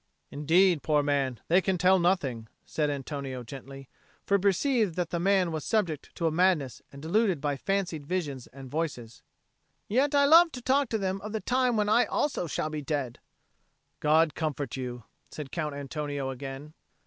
"Indeed, poor man, they can tell nothing," said Antonio gently; for he perceived that the man was subject to a madness and deluded by fancied visions and voices. "Yet I love to talk to them of the time when I also shall be dead." "God comfort you," said Count Antonio again.